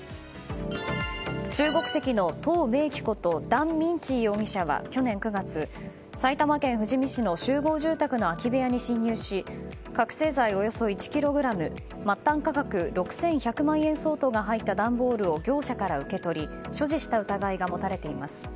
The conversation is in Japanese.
中国籍のトウ・メイキことダン・ミンチー容疑者は去年９月、埼玉県富士見市の集合住宅の空き部屋に侵入し覚醒剤およそ１ｋｇ末端価格６１００万円相当が入った段ボールを業者から受け取り所持した疑いが持たれています。